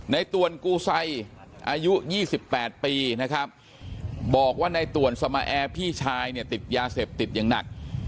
ตวนกูไซอายุ๒๘ปีนะครับบอกว่าในต่วนสมาแอร์พี่ชายเนี่ยติดยาเสพติดอย่างหนัก